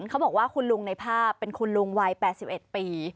เขาบอกว่าคุณลุงในภาพเป็นคุณลุงวัย๘๑ปี